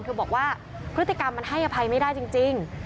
เธอบอกว่าพฤติกรรมมันให้อภัยไม่ได้จริง